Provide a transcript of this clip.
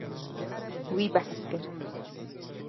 Wî behs kir.